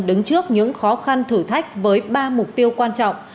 đứng trước những khó khăn thử thách với ba mục tiêu quan trọng